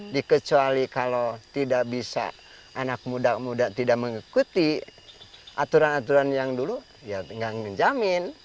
dikecuali kalau tidak bisa anak muda muda tidak mengikuti aturan aturan yang dulu ya nggak menjamin